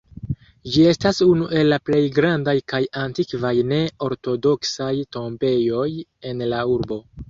Ĝi estas unu el la plej grandaj kaj antikvaj ne-ortodoksaj tombejoj en la urbo.